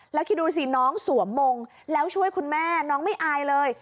แล้วคิดดูสิน้องสวมมงแล้วช่วยคุณแม่น้องไม่อายเลย